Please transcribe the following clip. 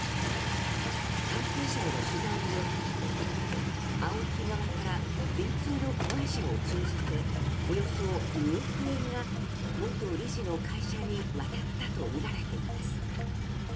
関係者への取材によればＡＯＫＩ側から電通の子会社を通じておよそ２億円が元理事の会社に渡ったとみられています。